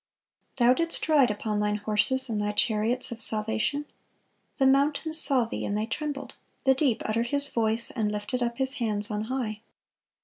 "Thou didst ride upon Thine horses and Thy chariots of salvation." "The mountains saw Thee, and they trembled: ... the deep uttered his voice, and lifted up his hands on high.